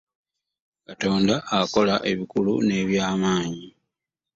katonda alola ebikulu n'ebyamanyi